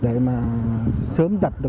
để mà sớm trở lại